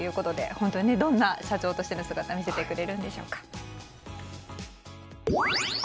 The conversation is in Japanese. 本当に、どんな社長としての姿を見せてくれるんでしょうか。